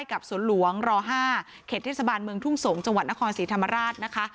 กับสวนหลวงร๕เขตเทศบาลเมืองทุ่งสงศ์จังหวัดนครศรีธรรมราชนะคะ